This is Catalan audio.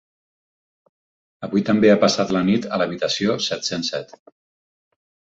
Avui també ha passat la nit a l'habitació set-cents set.